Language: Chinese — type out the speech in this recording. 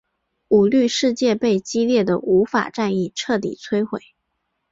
舞律世界被激烈的舞法战役彻底摧毁。